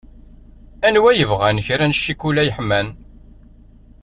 Anwa i yebɣan kra n cikula yeḥman.